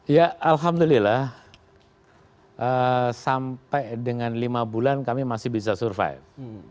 ya alhamdulillah sampai dengan lima bulan kami masih bisa survive